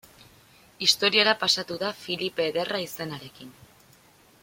Historiara pasatu da Filipe Ederra izenarekin.